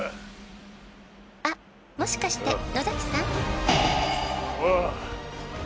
「あっもしかして野崎さん？」